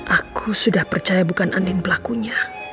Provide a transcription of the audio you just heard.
aku sudah percaya bukan andan pelakunya